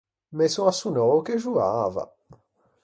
Me son assunnou che xoava.